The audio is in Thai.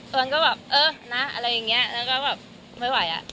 มันก็แบบเออนะอะไรอย่างนี้แล้วก็แบบไม่ไหวอ่ะ